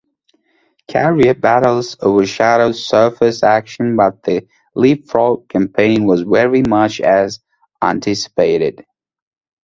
Carrier battles overshadowed surface action, but the "leapfrog" campaign was very much as anticipated.